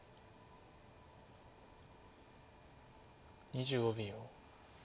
２５秒。